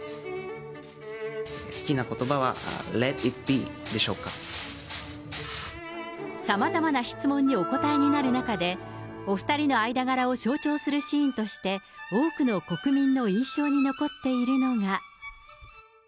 好きなことばは、さまざまな質問にお答えになる中で、お２人の間柄を象徴するシーンとして、多くの国民の印象に残っているのが。